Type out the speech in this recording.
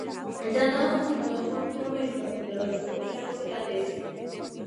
El tratado suscitó controversias entre los republicanos irlandeses.